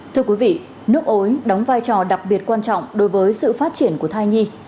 thưa quý vị nước ối đóng vai trò đặc biệt quan trọng đối với sự phát triển của thai nhi